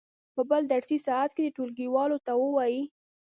په بل درسي ساعت کې دې ټولګیوالو ته ووایي.